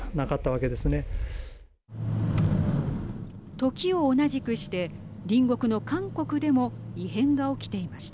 時を同じくして隣国の韓国でも異変が起きていました。